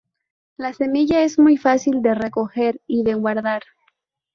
La semilla es muy fácil de recoger y de guardar.